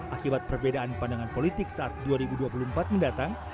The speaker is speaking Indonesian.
akibat perbedaan pandangan politik saat dua ribu dua puluh empat mendatang